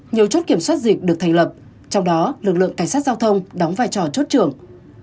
nhiều chốt kiểm soát dịch được thành lập trong đó lực lượng cảnh sát giao thông đóng vai trò chốt trưởng